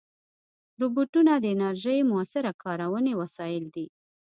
روبوټونه د انرژۍ مؤثره کارونې وسایل دي.